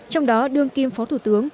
trong đó đương kim phó thủ tướng